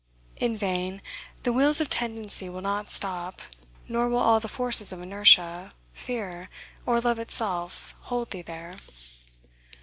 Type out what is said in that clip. In vain, the wheels of tendency will not stop, nor will all the forces of inertia, fear, or love itself, hold thee there.